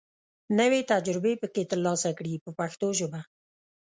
نوې تجربې پکې تر لاسه کړي په پښتو ژبه.